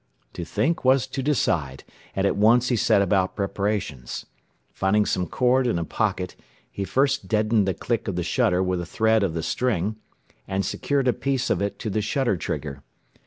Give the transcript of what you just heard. To think was to decide, and at once he set about preparations. Finding some cord in a pocket, he first deadened the click of the shutter with a thread of the string, and secured a piece of it to the shutter trigger.